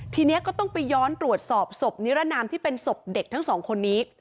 ทีนี้ก็ต้องไปย้อนตรวจสอบศพนิรนามที่เป็นศพเด็กทั้งสองคนนี้